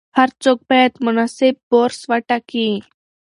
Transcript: هر څوک باید مناسب برس وټاکي.